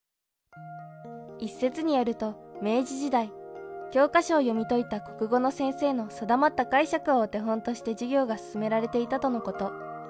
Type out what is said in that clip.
一説によると明治時代教科書を読み解いた国語の先生の定まった解釈をお手本として授業が進められていたとのこと。